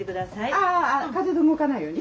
ああ風で動かないように？